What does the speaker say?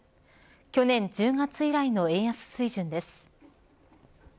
去年１０月以来の円安水準です。